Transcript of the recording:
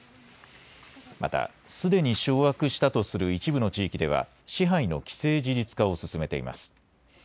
また、すでに掌握したとする一部の地域では支配の既成事実化を進めています。